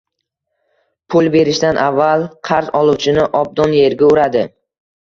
Pul berishdan avval qarz oluvchini obdon yerga uradi.